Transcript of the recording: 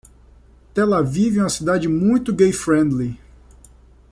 Tel Aviv é uma cidade muito gay friendly.